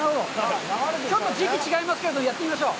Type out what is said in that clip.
ちょっと時期が違いますけれども、やってみましょう。